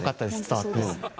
伝わって。